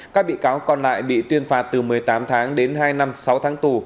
các bị cáo còn lại bị tuyên phạt từ một mươi tám tháng đến hai năm sáu tháng tù